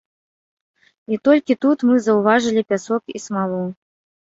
І толькі тут мы заўважылі пясок і смалу.